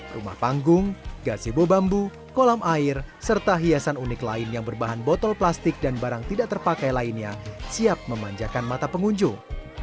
rumah panggung gasebo bambu kolam air serta hiasan unik lain yang berbahan botol plastik dan barang tidak terpakai lainnya siap memanjakan mata pengunjung